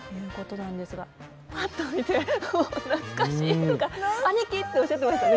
パッと見て「懐かしい」とか「アニキ！」っておっしゃってましたね